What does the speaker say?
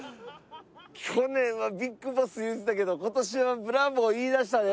去年はＢＩＧＢＯＳＳ言うてたけど今年はブラボー言いだしたで。